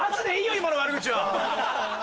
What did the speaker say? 今の悪口は。